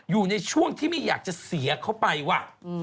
อยู่ในช่วงที่ไม่อยากจะเสียเขาไปว่ะ